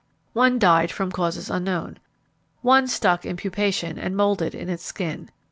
One died from causes unknown. One stuck in pupation, and moulded in its skin.